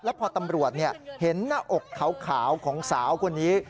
แล้วพอตำรวจเห็นหน้าอกขาวของสาวคนนี้